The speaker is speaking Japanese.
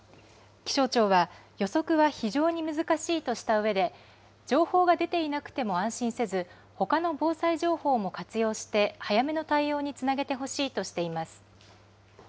気象庁は、予測は非常に難しいとしたうえで、情報が出ていなくても安心せず、ほかの防災情報も活用して、早めの対応につなげてほしいとしています。